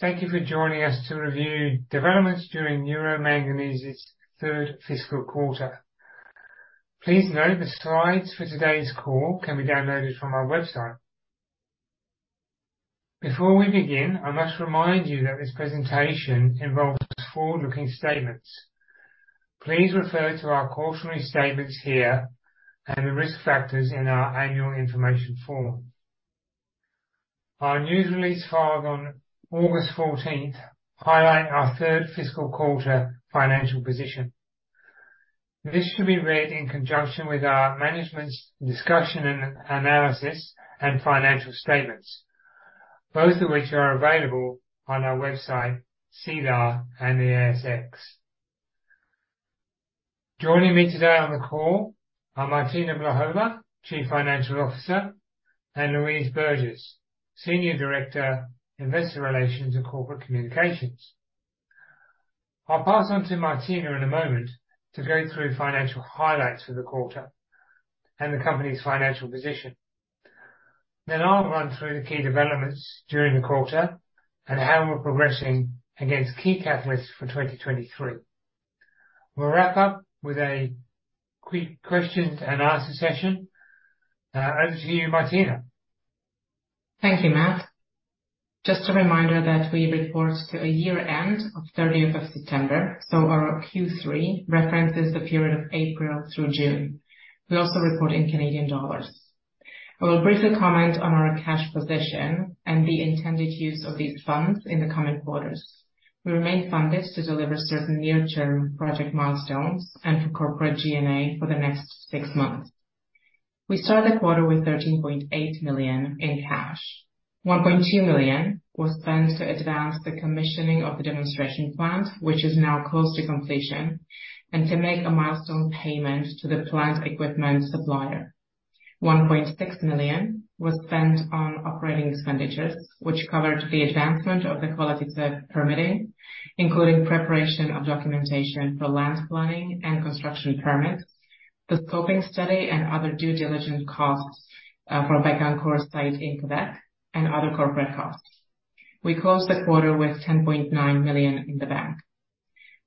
Thank you for joining us to review developments during Euro Manganese's third fiscal quarter. Please note, the slides for today's call can be downloaded from our website. Before we begin, I must remind you that this presentation involves forward-looking statements. Please refer to our cautionary statements here, and the risk factors in our annual information form. Our news release, filed on August fourteenth, highlight our third fiscal quarter financial position. This should be read in conjunction with our management's discussion and analysis and financial statements, both of which are available on our website, SEDAR, and the ASX. Joining me today on the call are Martina Blahova, Chief Financial Officer, and Louise Burgess, Senior Director, Investor Relations and Corporate Communications. I'll pass on to Martina in a moment to go through financial highlights for the quarter and the company's financial position. Then I'll run through the key developments during the quarter and how we're progressing against key catalysts for 2023. We'll wrap up with a quick question and answer session. Over to you, Martina. Thank you, Matt. Just a reminder that we report to a year-end of thirtieth of September, so our Q3 references the period of April through June. We also report in Canadian dollars. I will briefly comment on our cash position and the intended use of these funds in the coming quarters. We remain funded to deliver certain near-term project milestones and for corporate G&A for the next six months. We started the quarter with 13.8 million in cash. 1.2 million was spent to advance the commissioning of the demonstration plant, which is now close to completion, and to make a milestone payment to the plant equipment supplier. 1.6 million was spent on operating expenditures, which covered the advancement of the Chvaletice permitting, including preparation of documentation for land planning and construction permits, the scoping study and other due diligence costs for Bécancour site in Québec and other corporate costs. We closed the quarter with 10.9 million in the bank.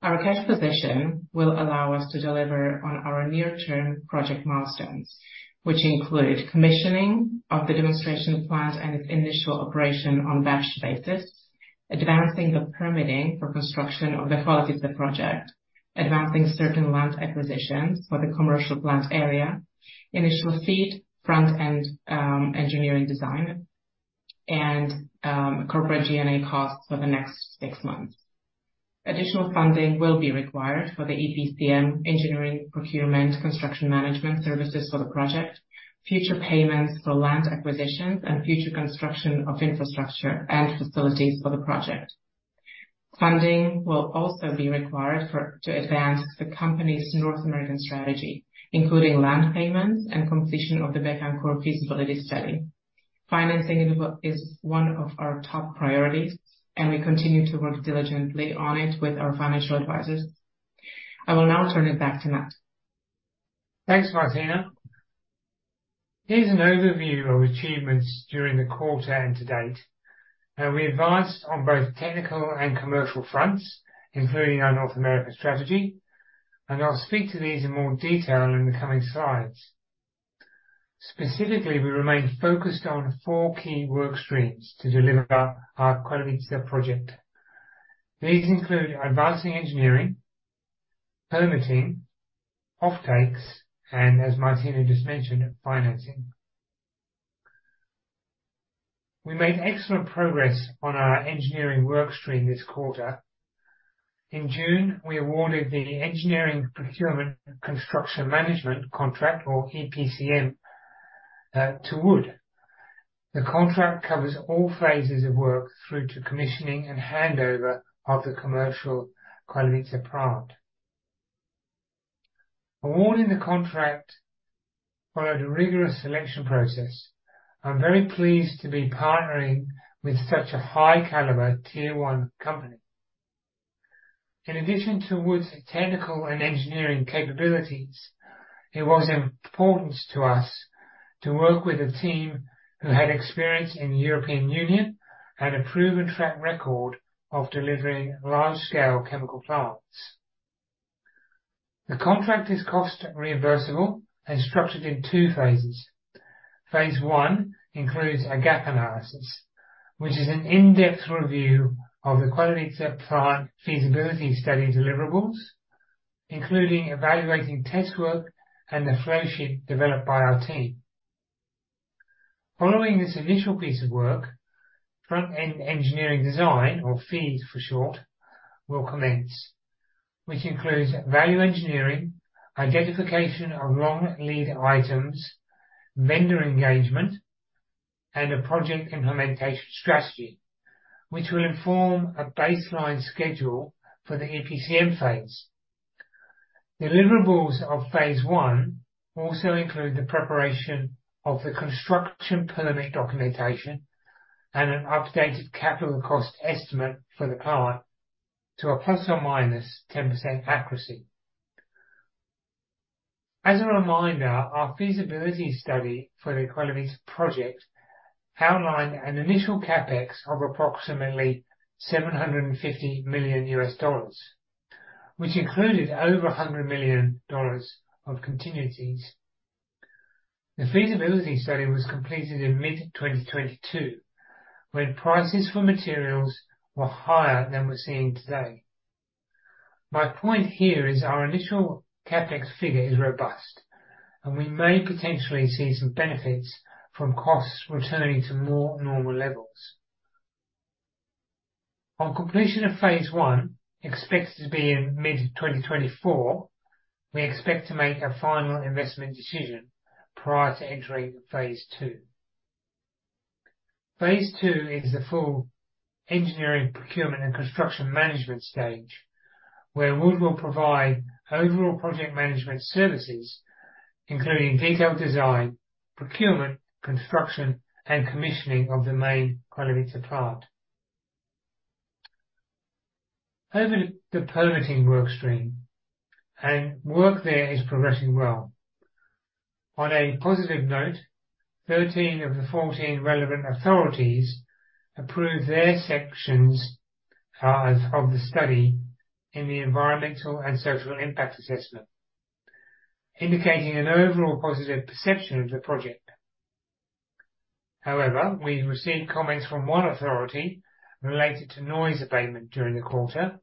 Our cash position will allow us to deliver on our near-term project milestones, which include commissioning of the demonstration plant and its initial operation on batch basis, advancing the permitting for construction of the Chvaletice project, advancing certain land acquisitions for the commercial plant area, initial FEED, front-end engineering design, and corporate G&A costs for the next six months. Additional funding will be required for the EPCM engineering, procurement, construction management services for the project, future payments for land acquisitions, and future construction of infrastructure and facilities for the project. Funding will also be required to advance the company's North American strategy, including land payments and completion of the Bécancour feasibility study. Financing is one of our top priorities, and we continue to work diligently on it with our financial advisors. I will now turn it back to Matt. Thanks, Martina. Here's an overview of achievements during the quarter and to date, how we advanced on both technical and commercial fronts, including our North America strategy, and I'll speak to these in more detail in the coming slides. Specifically, we remain focused on four key work streams to deliver our quality project. These include advancing engineering, permitting, offtakes, and as Martina just mentioned, financing. We made excellent progress on our engineering work stream this quarter. In June, we awarded the engineering, procurement, construction, management contract or EPCM to Wood. The contract covers all phases of work through to commissioning and handover of the commercial Chvaletice plant. Awarding the contract followed a rigorous selection process. I'm very pleased to be partnering with such a high caliber Tier One company. In addition to Wood's technical and engineering capabilities, it was important to us to work with a team who had experience in the European Union and a proven track record of delivering large-scale chemical plants. The contract is cost reimbursable and structured in two phases. Phase one includes a gap analysis, which is an in-depth review of the quality plant feasibility study deliverables, including evaluating test work and the flow sheet developed by our team. Following this initial piece of work, front-end engineering design or FEED, for short, will commence, which includes value engineering, identification of long lead items, vendor engagement, and a project implementation strategy, which will inform a baseline schedule for the EPCM phase. Deliverables of phase one also include the preparation of the construction permit documentation and an updated capital cost estimate for the plant to a ±10% accuracy. As a reminder, our feasibility study for the Chvaletice project outlined an initial CapEx of approximately $750 million, which included over $100 million of contingencies. The feasibility study was completed in mid-2022, when prices for materials were higher than we're seeing today. My point here is, our initial CapEx figure is robust, and we may potentially see some benefits from costs returning to more normal levels. On completion of phase one, expected to be in mid-2024, we expect to make a final investment decision prior to entering phase two. Phase two is the full engineering, procurement, and construction management stage, where Wood will provide overall project management services, including detailed design, procurement, construction, and commissioning of the main Chvaletice plant. Over to the permitting work stream, and work there is progressing well. On a positive note, 13 of the 14 relevant authorities approved their sections of the study in the environmental and social impact assessment, indicating an overall positive perception of the project. However, we've received comments from one authority related to noise abatement during the quarter,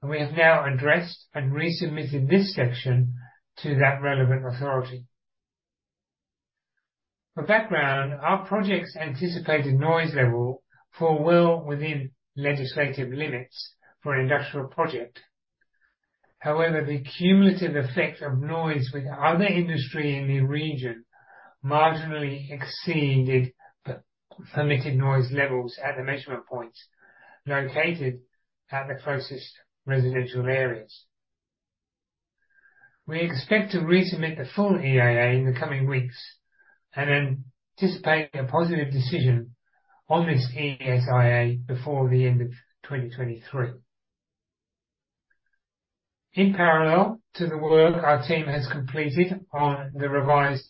and we have now addressed and resubmitted this section to that relevant authority. For background, our project's anticipated noise level fall well within legislative limits for an industrial project. However, the cumulative effect of noise with other industry in the region marginally exceeded the permitted noise levels at the measurement points located at the closest residential areas. We expect to resubmit the full EIA in the coming weeks and anticipate a positive decision on this ESIA before the end of 2023. In parallel to the work our team has completed on the revised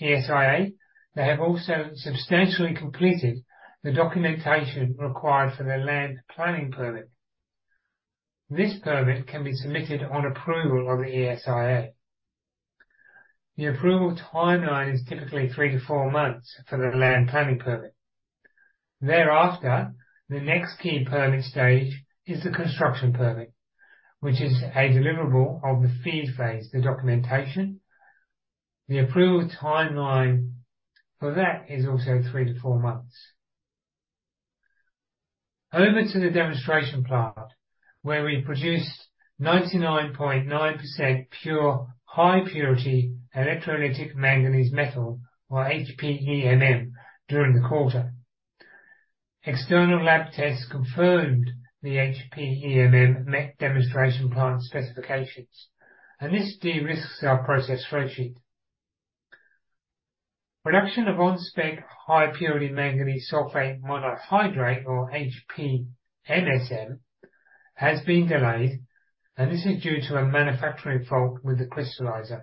ESIA, they have also substantially completed the documentation required for the land planning permit. This permit can be submitted on approval of the ESIA. The approval timeline is typically 3-4 months for the land planning permit. Thereafter, the next key permit stage is the construction permit, which is a deliverable of the FEED phase, the documentation. The approval timeline for that is also 3-4 months. Over to the demonstration plant, where we produced 99.9% pure high-purity electrolytic manganese metal, or HPEMM, during the quarter. External lab tests confirmed the HPEMM met demonstration plant specifications, and this de-risks our process spreadsheet. Production of on-spec high-purity manganese sulfate monohydrate, or HPMSM, has been delayed, and this is due to a manufacturing fault with the crystallizer.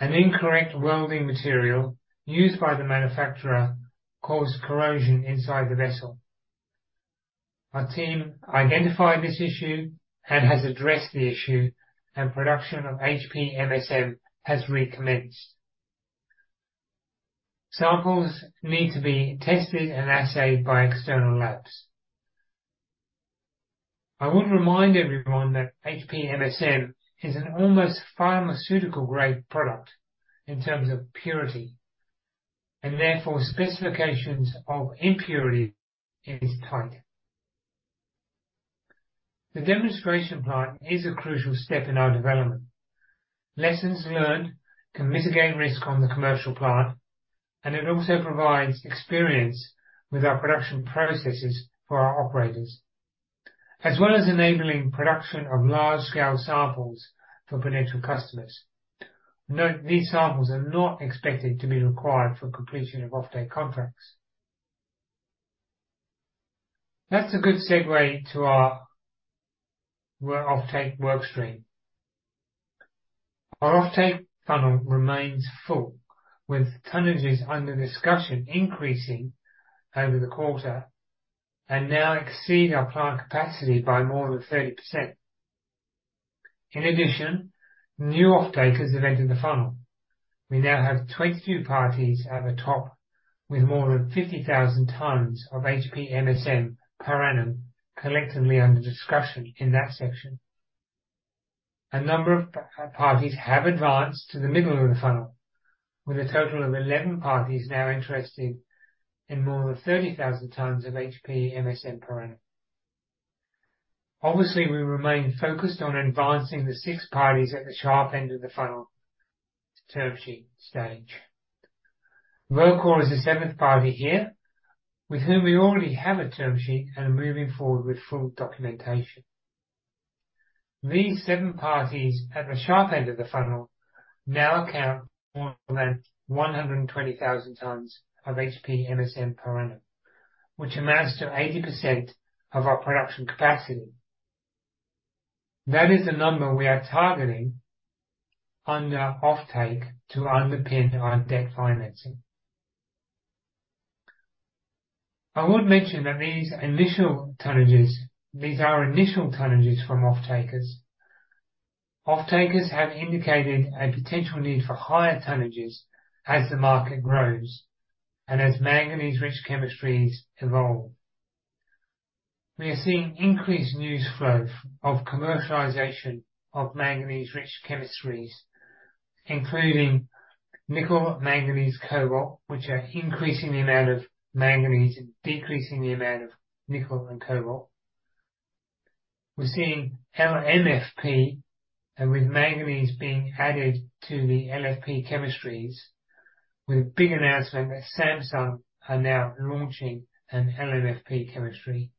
An incorrect welding material used by the manufacturer caused corrosion inside the vessel. Our team identified this issue and has addressed the issue, and production of HPMSM has recommenced. Samples need to be tested and assayed by external labs. I want to remind everyone that HPMSM is an almost pharmaceutical-grade product in terms of purity, and therefore specifications of impurity is tight. The demonstration plant is a crucial step in our development. Lessons learned can mitigate risk on the commercial plant, and it also provides experience with our production processes for our operators, as well as enabling production of large-scale samples for potential customers. Note, these samples are not expected to be required for completion of offtake contracts. That's a good segue to our offtake work stream. Our offtake funnel remains full, with tonnages under discussion increasing over the quarter, and now exceed our plant capacity by more than 30%. In addition, new offtakers have entered the funnel. We now have 22 parties at the top, with more than 50,000 tons of HPMSM per annum, collectively under discussion in that section. A number of parties have advanced to the middle of the funnel, with a total of 11 parties now interested in more than 30,000 tons of HPMSM per annum. Obviously, we remain focused on advancing the six parties at the sharp end of the funnel, the term sheet stage. Verkor is the seventh party here, with whom we already have a term sheet and are moving forward with full documentation. These seven parties at the sharp end of the funnel now account for more than 120,000 tons of HPMSM per annum, which amounts to 80% of our production capacity. That is the number we are targeting under offtake to underpin our debt financing. I would mention that these initial tonnages, these are initial tonnages from off-takers. Off-takers have indicated a potential need for higher tonnages as the market grows, and as manganese-rich chemistries evolve. We are seeing increased news flow of commercialization of manganese-rich chemistries, including nickel, manganese, cobalt, which are increasing the amount of manganese and decreasing the amount of nickel and cobalt. We're seeing LMFP, and with manganese being added to the LFP chemistries, with big announcement that Samsung are now launching an LMFP chemistry.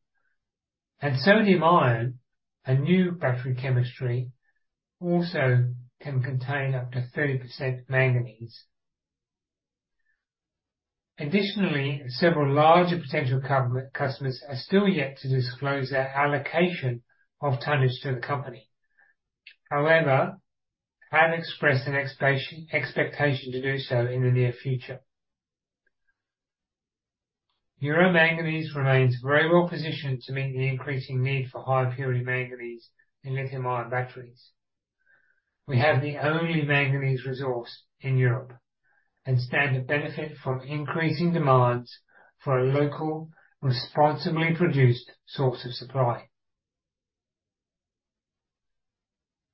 And sodium ion, a new battery chemistry, also can contain up to 30% manganese. Additionally, several larger potential customers are still yet to disclose their allocation of tonnage to the company. However, have expressed an expectation to do so in the near future. Euro Manganese remains very well positioned to meet the increasing need for high-purity manganese in lithium-ion batteries. We have the only manganese resource in Europe, and stand to benefit from increasing demands for a local, responsibly produced source of supply.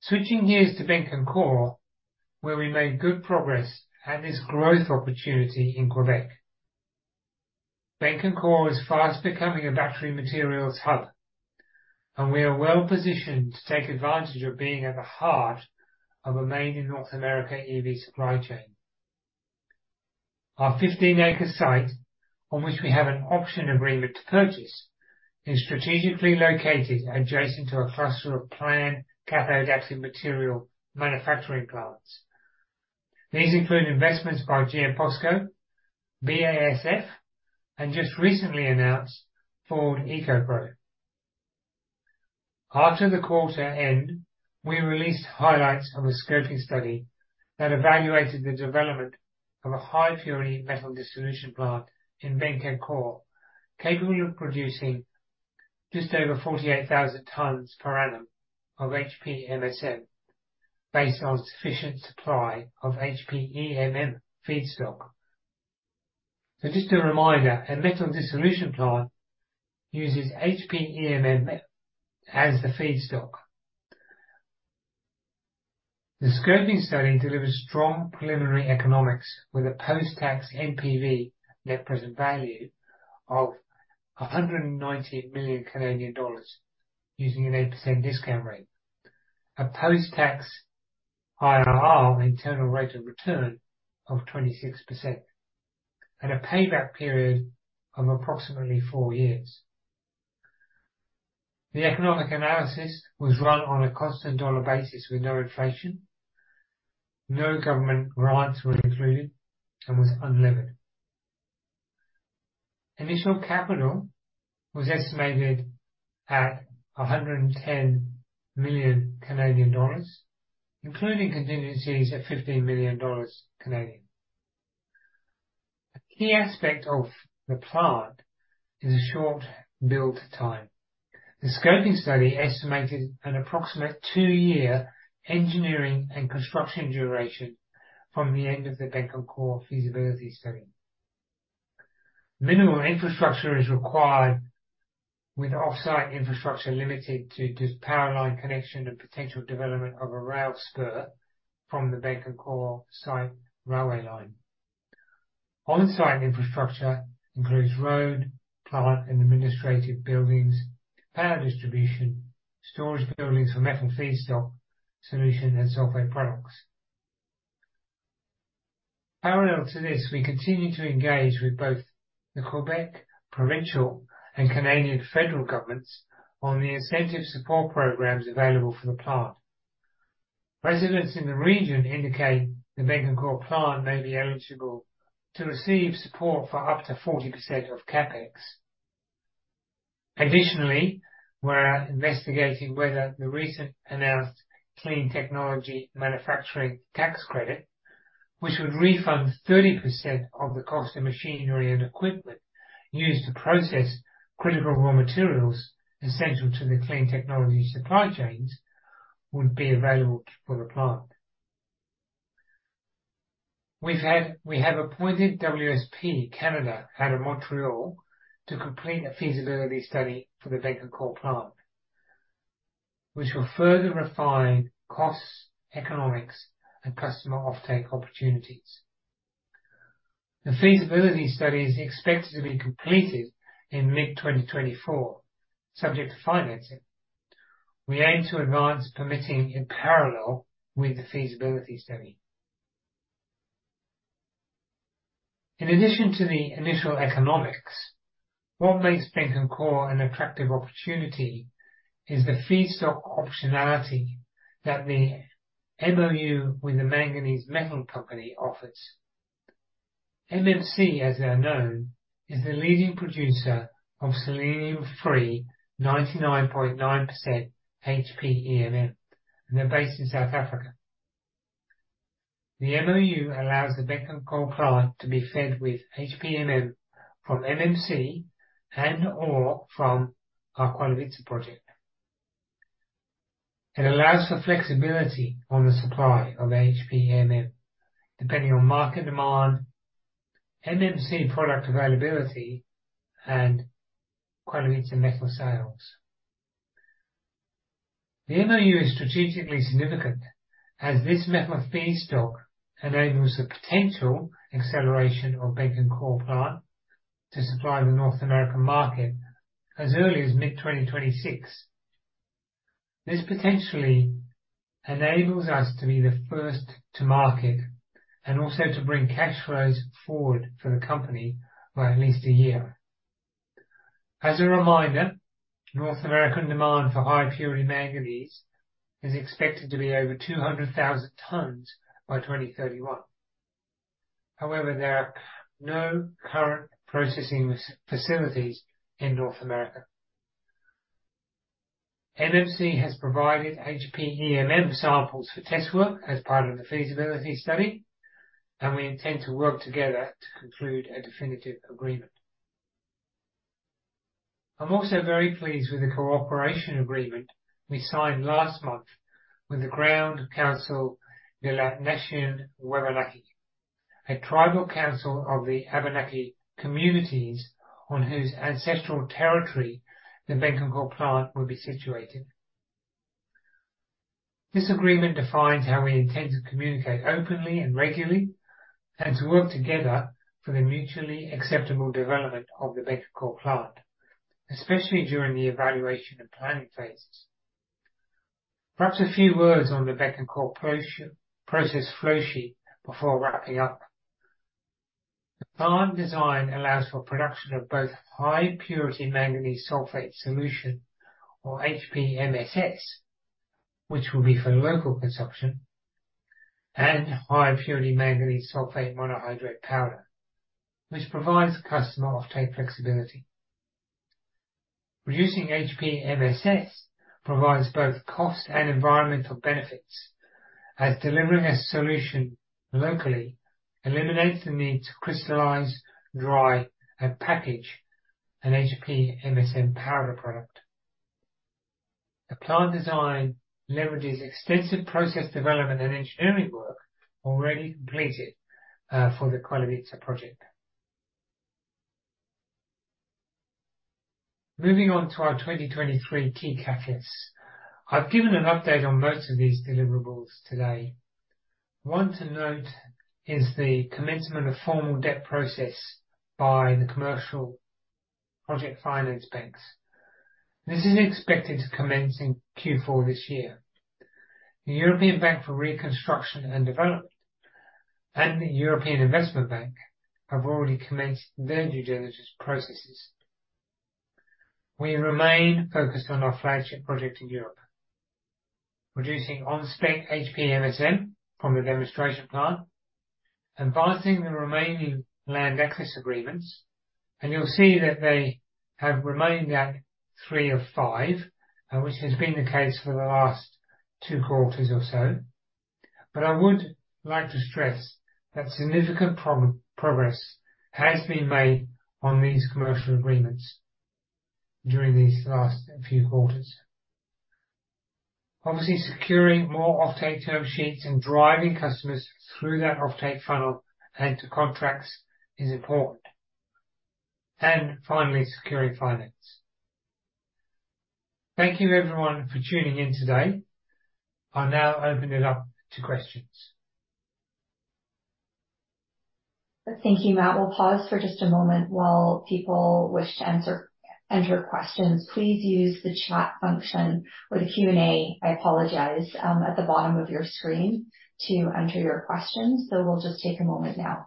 Switching gears to Bécancour, where we made good progress at this growth opportunity in Quebec. Bécancour is fast becoming a battery materials hub, and we are well positioned to take advantage of being at the heart of a made in North America EV supply chain. Our 15-acre site, on which we have an option agreement to purchase, is strategically located adjacent to a cluster of planned cathode active material manufacturing plants. These include investments by GM, POSCO, BASF, and just recently announced, Ford EcoPro. After the quarter end, we released highlights of a scoping study that evaluated the development of a high-purity metal dissolution plant in Bécancour, capable of producing just over 48,000 tons per annum of HPMSM, based on sufficient supply of HPEMM feedstock. So just a reminder, a metal dissolution plant uses HPEMM as the feedstock. The scoping study delivers strong preliminary economics with a post-tax NPV, net present value of 190 million Canadian dollars, using an 8% discount rate. A post-tax IRR, internal rate of return of 26% and a payback period of approximately 4 years. The economic analysis was run on a constant dollar basis with no inflation, no government grants were included, and was unlevered. Initial capital was estimated at 110 million Canadian dollars, including contingencies of 15 million dollars. A key aspect of the plant is a short build time. The scoping study estimated an approximate 2-year engineering and construction duration from the end of the Bécancour feasibility study. Minimal infrastructure is required, with off-site infrastructure limited to just power line connection and potential development of a rail spur from the Bécancour site railway line. On-site infrastructure includes road, plant and administrative buildings, power distribution, storage buildings for metal feedstock, solution and sulfate products. Parallel to this, we continue to engage with both the Quebec provincial and Canadian federal governments on the incentive support programs available for the plant. Residents in the region indicate the Bécancour plant may be eligible to receive support for up to 40% of CapEx. Additionally, we're investigating whether the recent announced Clean Technology Manufacturing Tax Credit, which would refund 30% of the cost of machinery and equipment used to process critical raw materials essential to the clean technology supply chains, would be available for the plant. We have appointed WSP Canada, out of Montreal, to complete a feasibility study for the Bécancour plant, which will further refine costs, economics, and customer offtake opportunities. The feasibility study is expected to be completed in mid-2024, subject to financing. We aim to advance permitting in parallel with the feasibility study. In addition to the initial economics, what makes Bécancour an attractive opportunity is the feedstock optionality that the MOU with the Manganese Metal Company offers. MMC, as they are known, is the leading producer of selenium-free 99.9% HPEMM, and they're based in South Africa. The MOU allows the Bécancour plant to be fed with HPM from MMC and/or from our Chvaletice project. It allows for flexibility on the supply of HPEMM, depending on market demand, MMC product availability, and Chvaletice metal sales. The MOU is strategically significant, as this method of feedstock enables the potential acceleration of Bécancour plant to supply the North American market as early as mid-2026. This potentially enables us to be the first to market and also to bring cash flows forward for the company by at least a year. As a reminder, North American demand for high-purity manganese is expected to be over 200,000 tons by 2031. However, there are no current processing facilities in North America. MMC has provided HPEMM samples for test work as part of the feasibility study, and we intend to work together to conclude a definitive agreement. I'm also very pleased with the cooperation agreement we signed last month with the Grand Conseil de la Nation Waban-Aki, a tribal council of the Abenaki communities, on whose ancestral territory the Bécancour plant will be situated. This agreement defines how we intend to communicate openly and regularly, and to work together for the mutually acceptable development of the Bécancour plant, especially during the evaluation and planning phases. Perhaps a few words on the Bécancour process, process flow sheet before wrapping up. The plant design allows for production of both high purity manganese sulfate solution or HPMSS, which will be for local consumption, and high purity manganese sulfate monohydrate powder, which provides customer offtake flexibility. Producing HPMSS provides both cost and environmental benefits, as delivering a solution locally eliminates the need to crystallize, dry, and package an HPMSM powder product. The plant design leverages extensive process development and engineering work already completed for the Chvaletice project. Moving on to our 2023 key targets. I've given an update on most of these deliverables today. One to note is the commencement of formal debt process by the commercial project finance banks. This is expected to commence in Q4 this year. The European Bank for Reconstruction and Development, and the European Investment Bank, have already commenced their due diligence processes. We remain focused on our flagship project in Europe, producing on-spec HPMSM from the demonstration plant, advancing the remaining land access agreements, and you'll see that they have remained at three of five, which has been the case for the last two quarters or so. But I would like to stress that significant pro-progress has been made on these commercial agreements during these last few quarters. Obviously, securing more offtake term sheets and driving customers through that offtake funnel and to contracts is important. And finally, securing finance. Thank you, everyone, for tuning in today. I'll now open it up to questions. Thank you, Matt. We'll pause for just a moment while people wish to enter questions. Please use the chat function or the Q&A, I apologize, at the bottom of your screen to enter your questions. So we'll just take a moment now.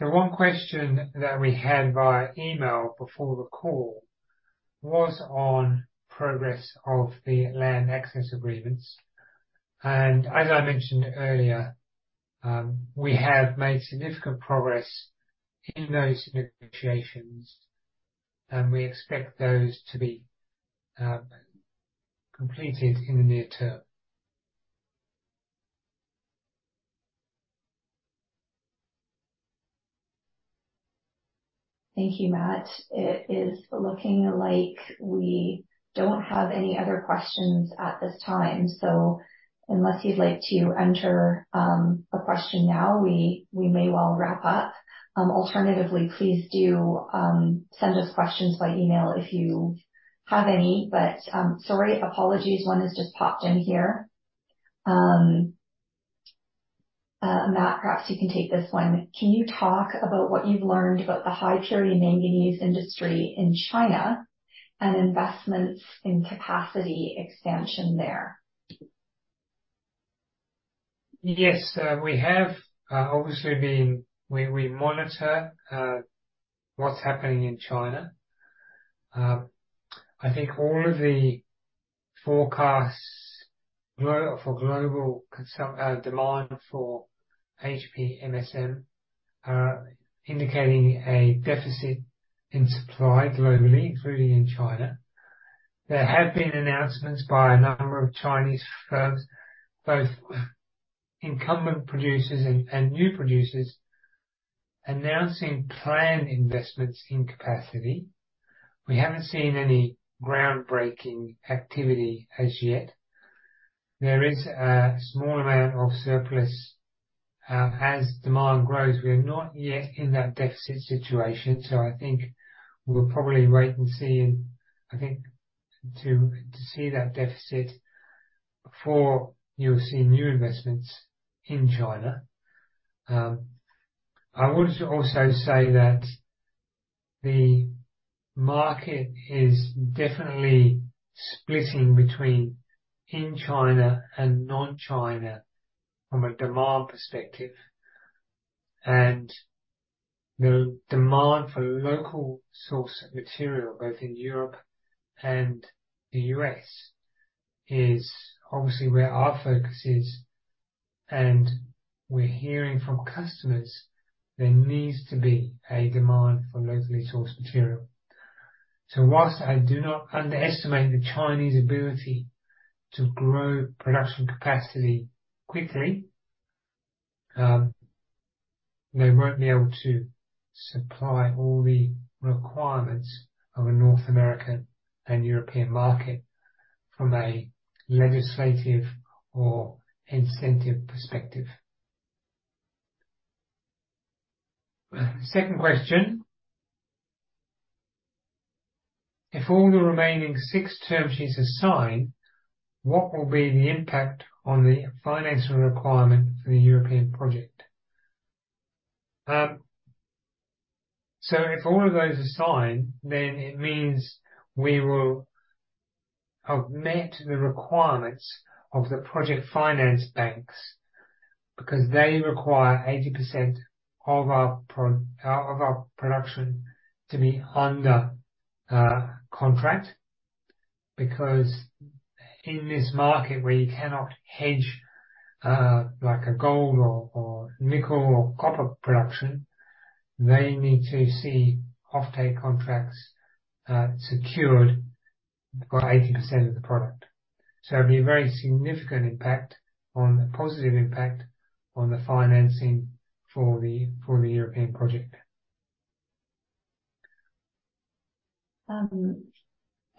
So one question that we had via email before the call was on progress of the land access agreements, and as I mentioned earlier, we have made significant progress in those negotiations, and we expect those to be completed in the near term. Thank you, Matt. It is looking like we don't have any other questions at this time, so unless you'd like to enter a question now, we may well wrap up. Alternatively, please do send us questions by email if you have any, but sorry. Apologies, one has just popped in here. Matt, perhaps you can take this one. Can you talk about what you've learned about the high purity manganese industry in China and investments in capacity expansion there? Yes. We have obviously been—we monitor what's happening in China. I think all of the forecasts for global consumption demand for HPMSM are indicating a deficit in supply globally, including in China. There have been announcements by a number of Chinese firms, both incumbent producers and new producers, announcing planned investments in capacity. We haven't seen any groundbreaking activity as yet. There is a small amount of surplus. As demand grows, we're not yet in that deficit situation, so I think we'll probably wait and see, and I think to see that deficit before you'll see new investments in China. I would also say that the market is definitely splitting between in China and non-China from a demand perspective, and the demand for local source material, both in Europe and the U.S., is obviously where our focus is, and we're hearing from customers there needs to be a demand for locally sourced material. So whilst I do not underestimate the Chinese ability to grow production capacity quickly, they won't be able to supply all the requirements of a North American and European market from a legislative or incentive perspective. Second question: If all the remaining six term sheets are signed, what will be the impact on the financial requirement for the European project? So if all of those are signed, then it means we will have met the requirements of the project finance banks, because they require 80% of our production to be under contract. Because in this market, where you cannot hedge like gold or nickel or copper production, they need to see offtake contracts secured for 80% of the product. So it'd be a very significant impact on a positive impact on the financing for the European project.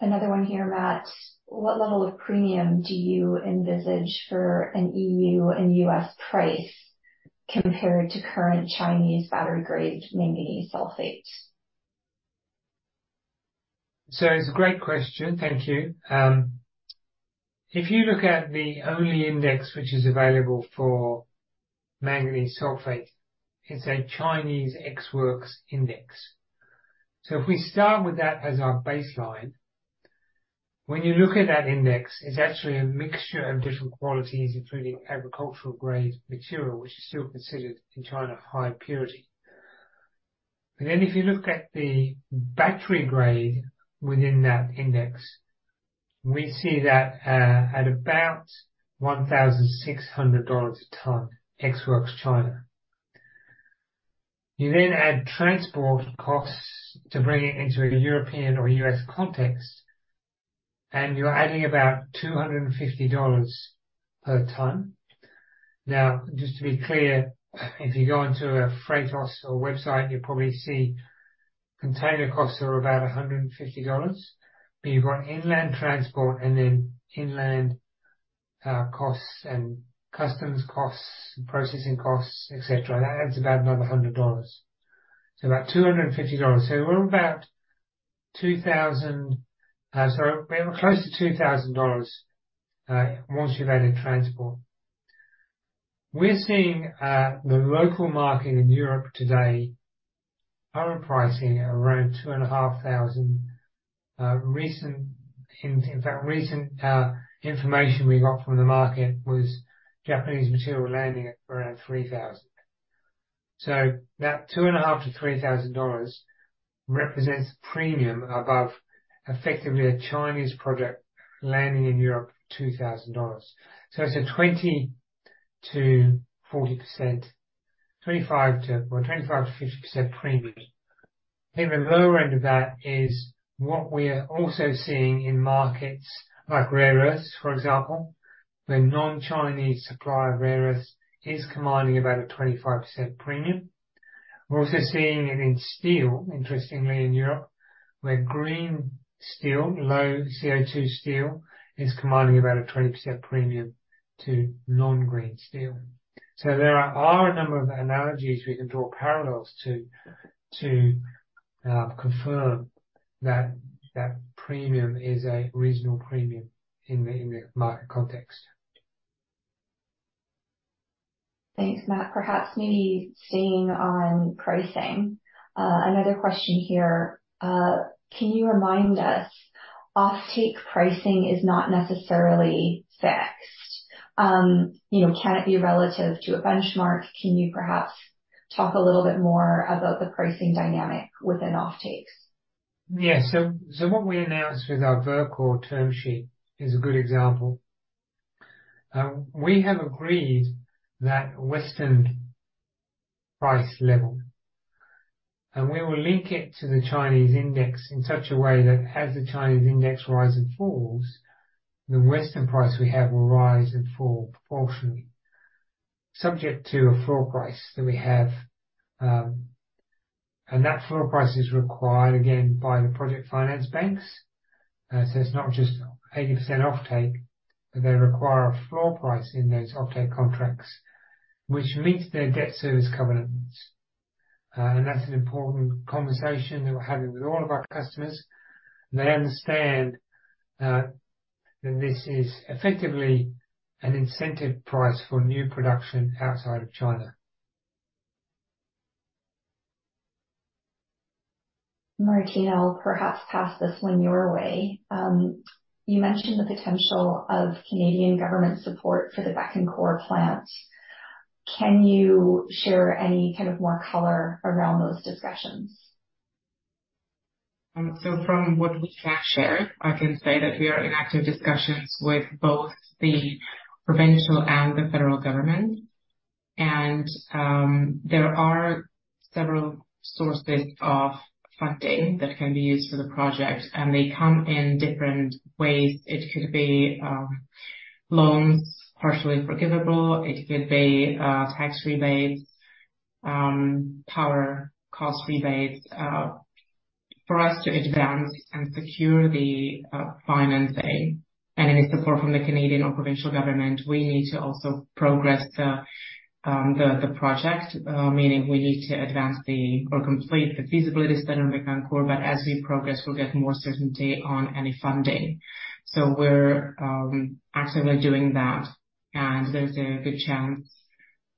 Another one here, Matt. What level of premium do you envisage for an E.U. and U.S. price compared to current Chinese battery-grade manganese sulfate? It's a great question. Thank you. If you look at the only index which is available for manganese sulfate, it's a Chinese ex works index. So if we start with that as our baseline, when you look at that index, it's actually a mixture of different qualities, including agricultural-grade material, which is still considered, in China, high purity. But then, if you look at the battery grade within that index, we see that, at about $1,600 a ton, ex works China. You then add transport costs to bring it into a European or U.S. context, and you're adding about $250 per ton. Now, just to be clear, if you go into a freight cost or website, you'll probably see container costs are about $150, but you've got inland transport and then inland costs, and customs costs, processing costs, et cetera. That adds about another $100, so about $250. So we're about $2,000, so we're close to $2,000 once you've added transport. We're seeing the local market in Europe today are pricing around $2,500. Recent, in fact, recent information we got from the market was Japanese material landing at around $3,000. So that $2,500-$3,000 represents premium above, effectively, a Chinese product landing in Europe, $2,000. So it's a 20%-40%, 25% to... well, 25%-50% premium. In the lower end of that is what we are also seeing in markets like rare earths, for example, where non-Chinese supplier of rare earths is commanding about a 25% premium. We're also seeing it in steel, interestingly, in Europe, where green steel, low CO2 steel, is commanding about a 20% premium to non-green steel. So there are a number of analogies we can draw parallels to, to confirm that, that premium is a reasonable premium in the, in the market context. Thanks, Matt. Perhaps maybe staying on pricing, another question here. Can you remind us, offtake pricing is not necessarily fixed. You know, can it be relative to a benchmark? Can you perhaps talk a little bit more about the pricing dynamic within offtakes? Yeah. So what we announced with our Verkor term sheet is a good example. We have agreed that Western price level, and we will link it to the Chinese index in such a way that as the Chinese index rises and falls, the Western price we have will rise and fall proportionally, subject to a floor price that we have. And that floor price is required again by the project finance banks. So it's not just 80% offtake, but they require a floor price in those offtake contracts, which meets their debt service covenants. And that's an important conversation that we're having with all of our customers. They understand that this is effectively an incentive price for new production outside of China. Martina, I'll perhaps pass this one your way. You mentioned the potential of Canadian government support for the Bécancour plant. Can you share any kind of more color around those discussions? So from what we can share, I can say that we are in active discussions with both the provincial and the federal government. There are several sources of funding that can be used for the project, and they come in different ways. It could be loans, partially forgivable, it could be tax rebates, power cost rebates. For us to advance and secure the financing and any support from the Canadian or provincial government, we need to also progress the project. Meaning we need to advance or complete the feasibility study on Bécancour, but as we progress, we'll get more certainty on any funding. So we're actively doing that, and there's a good chance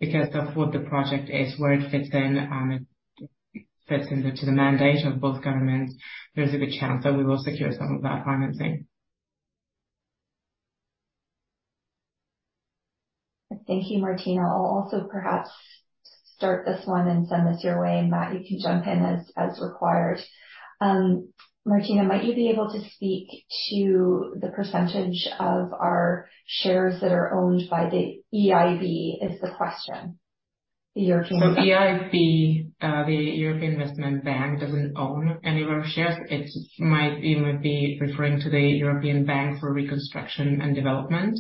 because of what the project is, where it fits in, and it fits into the mandate of both governments. There's a good chance that we will secure some of that financing. Thank you, Martina. I'll also perhaps start this one and send this your way, and Matt, you can jump in as required. Martina, might you be able to speak to the percentage of our shares that are owned by the EIB? Is the question. The European- The EIB, the European Investment Bank doesn't own any of our shares. It might, you might be referring to the European Bank for Reconstruction and Development.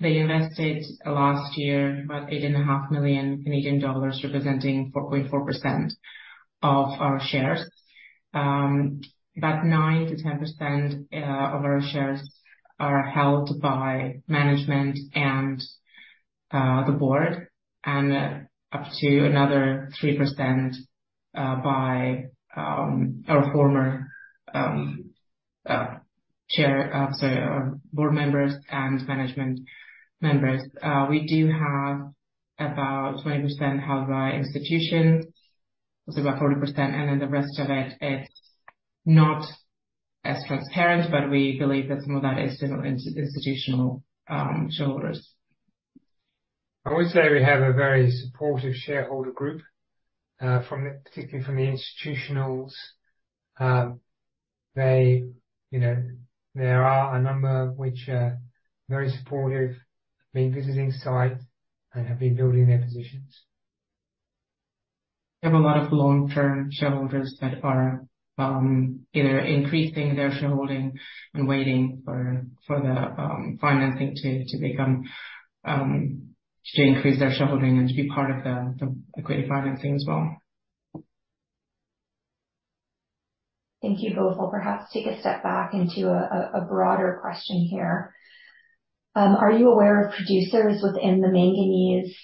They invested last year, about 8.5 million Canadian dollars, representing 4.4% of our shares. About 9%-10% of our shares are held by management and the board, and up to another 3%, by our former board members and management members. We do have about 20% held by institutions, so about 40%, and then the rest of it, it's not as transparent, but we believe that some of that is institutional shareholders. I would say we have a very supportive shareholder group, particularly from the institutionals. They, you know, there are a number which are very supportive, have been visiting site and have been building their positions. We have a lot of long-term shareholders that are either increasing their shareholding and waiting for the financing to become to increase their shareholding and to be part of the equity financing as well. Thank you both. I'll perhaps take a step back into a broader question here. Are you aware of producers within the manganese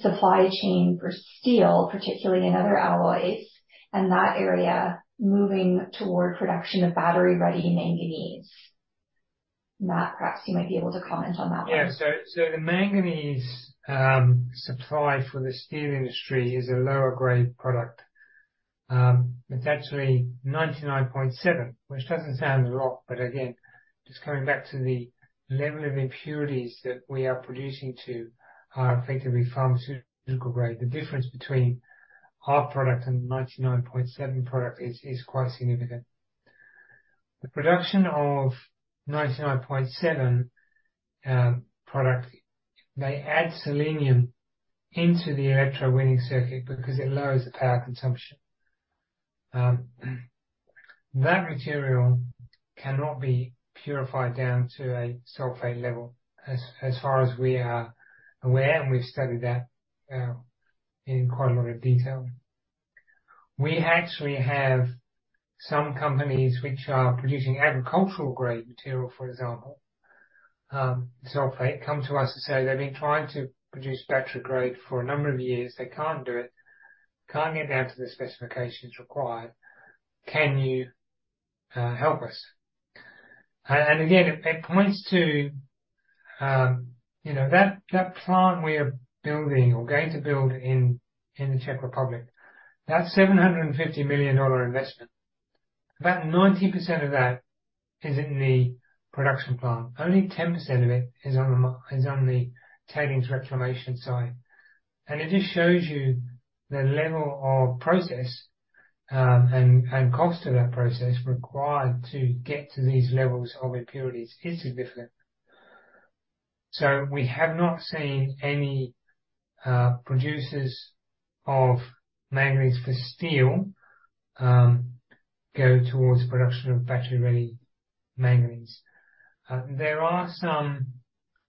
supply chain for steel, particularly in other alloys and that area, moving toward production of battery-ready manganese? Matt, perhaps you might be able to comment on that one. Yeah. So, the manganese supply for the steel industry is a lower grade product. It's actually 99.7%, which doesn't sound a lot, but again, just coming back to the level of impurities that we are producing are effectively pharmaceutical grade. The difference between our product and the 99.7% product is quite significant. The production of 99.7% product, they add selenium into the electrowinning circuit because it lowers the power consumption. That material cannot be purified down to a sulfate level as far as we are aware, and we've studied that in quite a lot of detail. We actually have some companies which are producing agricultural grade material, for example, sulfate come to us and say they've been trying to produce battery grade for a number of years. They can't do it, can't get down to the specifications required. Can you help us? And again, it points to, you know, that plant we are building or going to build in the Czech Republic, that's $750 million dollar investment. About 90% of that is in the production plant. Only 10% of it is on the tailings reclamation side. And it just shows you the level of process and cost of that process required to get to these levels of impurities is significant. So we have not seen any producers of manganese for steel go towards production of battery-ready manganese. There are some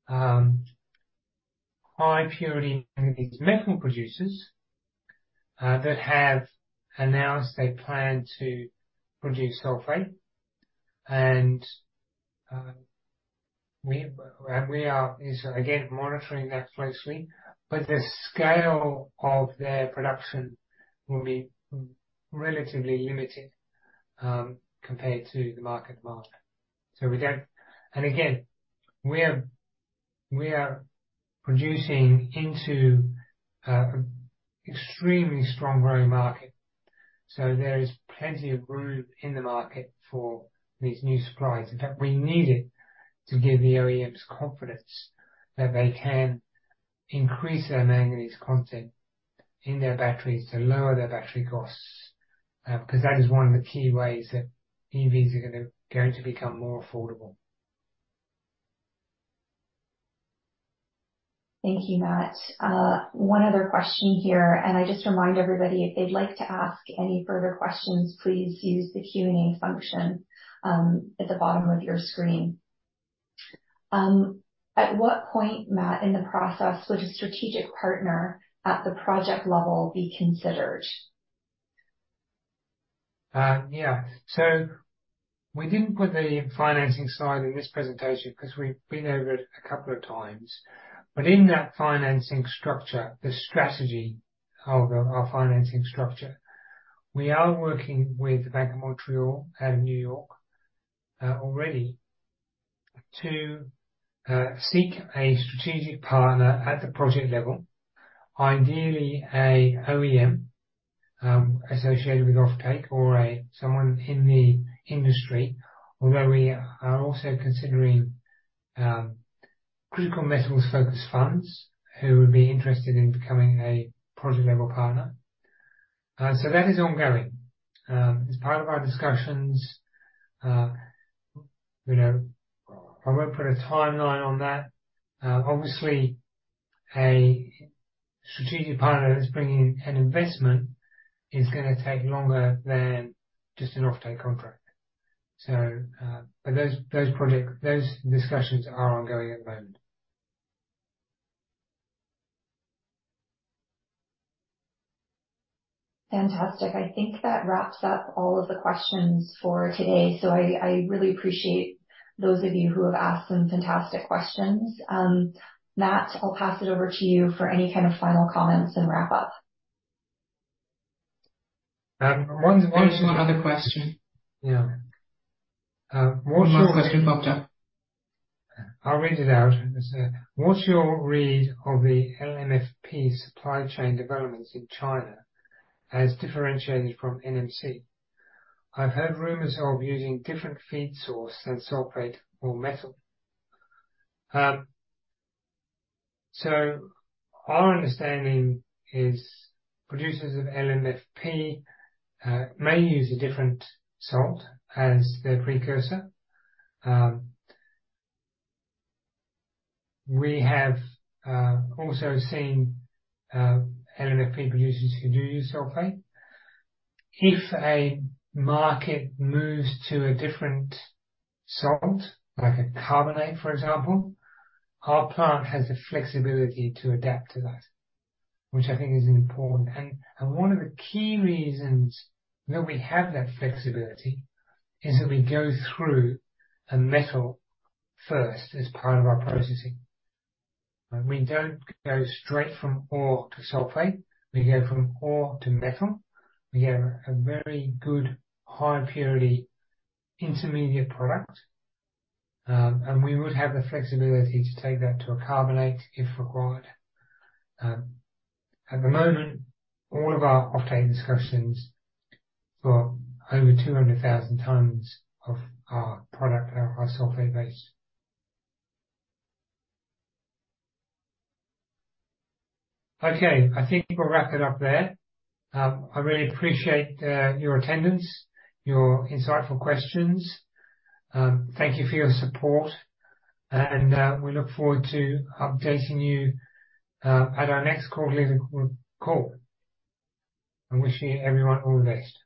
high-purity manganese metal producers that have announced they plan to produce sulfate, and we are again monitoring that closely, but the scale of their production will be relatively limited compared to the market demand. And again, we are producing into an extremely strong growing market, so there is plenty of room in the market for these new supplies. In fact, we need it to give the OEMs confidence that they can increase their manganese content in their batteries to lower their battery costs, because that is one of the key ways that EVs are going to become more affordable. Thank you, Matt. One other question here, and I just remind everybody, if they'd like to ask any further questions, please use the Q&A function at the bottom of your screen. At what point, Matt, in the process, would a strategic partner at the project level be considered? Yeah. So we didn't put the financing slide in this presentation because we've been over it a couple of times, but in that financing structure, the strategy of the, our financing structure, we are working with the Bank of Montreal and New York already to seek a strategic partner at the project level. Ideally, a OEM associated with offtake or a someone in the industry, although we are also considering critical metals focused funds who would be interested in becoming a project-level partner. So that is ongoing. As part of our discussions, you know, I won't put a timeline on that. Obviously, a strategic partner that's bringing in an investment is gonna take longer than just an offtake contract. So but those, those project, those discussions are ongoing at the moment. Fantastic. I think that wraps up all of the questions for today. So I really appreciate those of you who have asked some fantastic questions. Matt, I'll pass it over to you for any kind of final comments and wrap up. Um, one, one- There's one other question. Yeah. What- One more question popped up. I'll read it out. It says, "What's your read of the LMFP supply chain developments in China as differentiated from NMC? I've heard rumors of using different feed source than sulfate or metal." So our understanding is producers of LMFP may use a different salt as their precursor. We have also seen LMFP producers who do use sulfate. If a market moves to a different salt, like a carbonate, for example, our plant has the flexibility to adapt to that, which I think is important. And one of the key reasons that we have that flexibility is that we go through a metal first as part of our processing. We don't go straight from ore to sulfate. We go from ore to metal. We have a very good high purity intermediate product, and we would have the flexibility to take that to a carbonate if required. At the moment, all of our offtake discussions for over 200,000 tons of our product are sulfate-based. Okay, I think we'll wrap it up there. I really appreciate your attendance, your insightful questions. Thank you for your support, and we look forward to updating you at our next quarterly call. I'm wishing everyone all the best.